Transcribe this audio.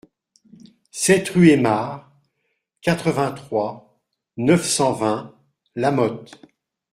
sept rue Aymard, quatre-vingt-trois, neuf cent vingt, La Motte